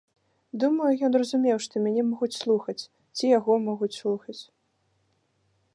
Думаю, ён разумеў, што мяне могуць слухаць, ці яго могуць слухаць.